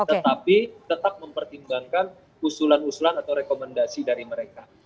tetapi tetap mempertimbangkan usulan usulan atau rekomendasi dari mereka